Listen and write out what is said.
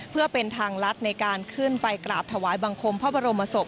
เพื่อเป็นทางลัดในการขึ้นไปกราบถวายบังคมพระบรมศพ